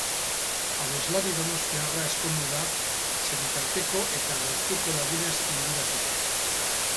Abeslari donostiarra ezkondu egin da senitarteko eta gertuko lagunez inguratuta.